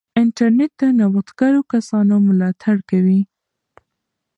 انټرنیټ د نوښتګرو کسانو ملاتړ کوي.